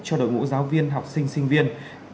cho đội ngũ giáo viên học sinh sinh viên